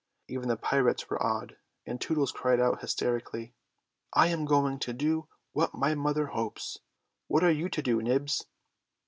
'" Even the pirates were awed, and Tootles cried out hysterically, "I am going to do what my mother hopes. What are you to do, Nibs?"